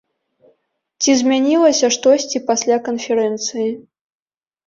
Ці змянілася штосьці пасля канферэнцыі?